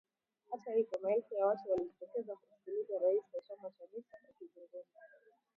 Hata hivyo maelfu ya watu waliojitokeza kumsikiliza rais wa chama Chamisa akizungumza